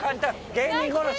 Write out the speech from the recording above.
芸人殺し。